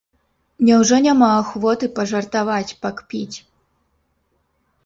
Няўжо няма ахвоты пажартаваць, пакпіць?